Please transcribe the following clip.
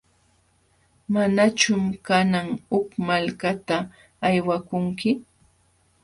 ¿Manachum kanan huk malkata aywakunki?